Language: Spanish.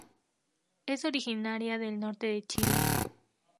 Es originaria del norte de Chile.